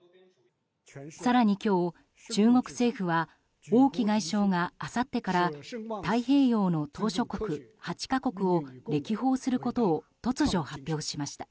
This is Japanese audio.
更に今日、中国政府は王毅外相があさってから太平洋の島しょ国８か国を歴訪することを突如、発表しました。